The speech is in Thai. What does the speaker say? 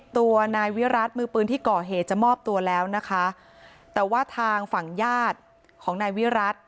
ตัวนายวิรัติมือปืนที่ก่อเหตุจะมอบตัวแล้วนะคะแต่ว่าทางฝั่งญาติของนายวิรัติ